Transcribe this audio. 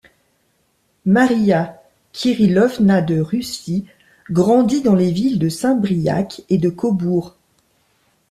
Maria Kirillovna de Russie grandit dans les villes de Saint-Briac et de Cobourg.